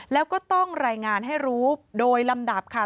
แล้วก็ต้องรายงานให้รู้โดยลำดับค่ะ